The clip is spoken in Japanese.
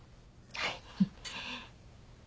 はい。